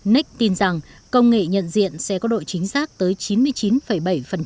nec tin rằng công nghệ nhận diện sẽ có độ chính xác tới chín mươi chín bảy